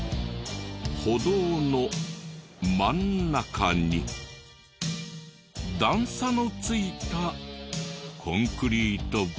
歩道の真ん中に段差のついたコンクリートブロックが。